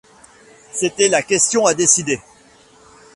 C’était la question à décider.